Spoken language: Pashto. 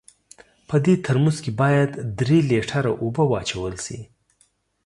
په دې ترموز کې باید درې لیټره اوبه واچول سي.